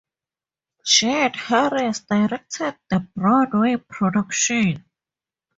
Jed Haris directed the Broadway production.